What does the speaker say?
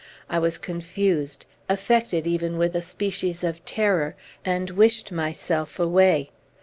I was confused, affected even with a species of terror, and wished myself away.